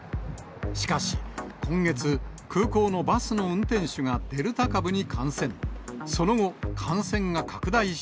しかし、今月、空港のバスの運転手がデルタ株に感染。